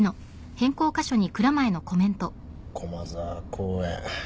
駒沢公園。